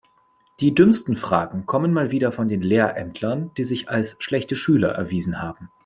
Die dümmsten Fragen kommen mal wieder von den Lehrämtlern, die sich als schlechte Schüler erwiesen haben.